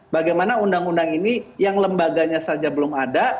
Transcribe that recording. bagaimana undang undang ini yang lembaganya saja belum ada